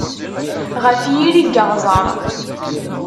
Ɣef yiri n yeɣẓeṛ.